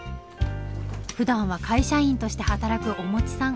ふだんは会社員として働くおもちさん。